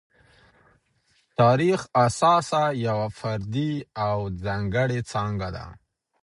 تاریخ اساساً یوه فردي او ځانګړې څانګه ده.